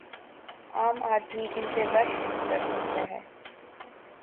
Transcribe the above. عام آدمی ان پہ رشک ہی کر سکتا ہے۔